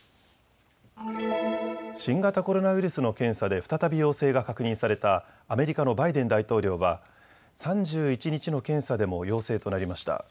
新型コロナウイルスの検査で再び陽性が確認されたアメリカのバイデン大統領は３１日の検査でも陽性となりました。